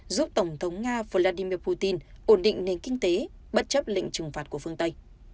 giúp tổng thống nga vladimir putin ổn định nền kinh tế bất chấp lệnh trừng phạt của phương tây